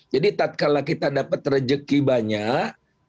jadi kalau kita dapat rejeki banyak